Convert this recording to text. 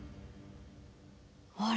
あれ？